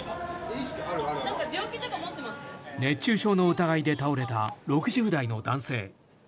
熱中症の疑いで倒れた６０代の男性。